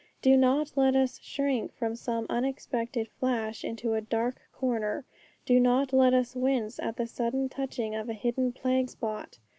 Do not let us shrink from some unexpected flash into a dark corner; do not let us wince at the sudden touching of a hidden plague spot.